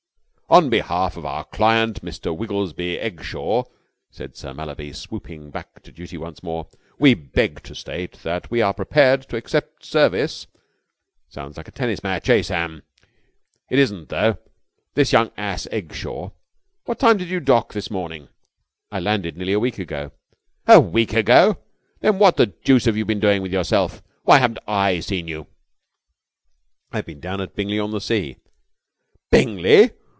"On behalf of our client, Mr. Wibblesley Eggshaw," said Sir Mallaby, swooping back to duty once more, "we beg to state that we are prepared to accept service ... sounds like a tennis match, eh, Sam? It isn't, though. This young ass, Eggshaw ... what time did you dock this morning?" "I landed nearly a week ago." "A week ago! Then what the deuce have you been doing with yourself? Why haven't I seen you?" "I've been down at Bingley on the Sea." "Bingley!